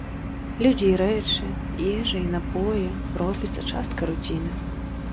Людзі і рэчы, ежа і напоі робяцца часткай руціны.